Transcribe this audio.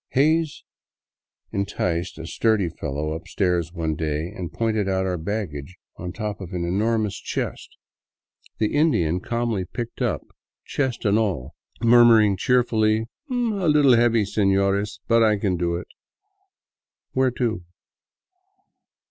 Hays inticed a sturdy fellow upstairs one day and pointed out our baggage on top of an enormous chest. A J. VAGABONDING DOWN THE ANDES The Indian calmly picked up chest and all, murmuring cheerfully: " A little heavy, senores, but I can do it. Where to